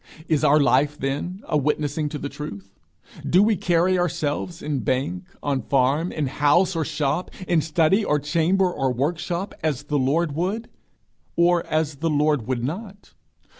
Is our life, then, a witnessing to the truth? Do we carry ourselves in bank, on farm, in house or shop, in study or chamber or workshop, as the Lord would, or as the Lord would not?